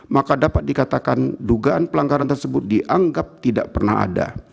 maka dapat dikatakan dugaan pelanggaran tersebut dianggap tidak pernah ada